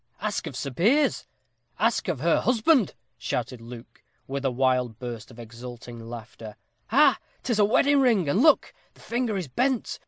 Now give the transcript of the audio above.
"Ask of Sir Piers! ask of her husband!" shouted Luke, with a wild burst of exulting laughter. "Ha! ha! ha! 'tis a wedding ring! And look! the finger is bent.